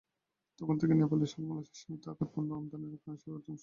তখন থেকেই নেপালের সঙ্গে বাংলাদেশের সীমিত আকারে পণ্য আমদানি-রপ্তানি কার্যক্রম চলছে।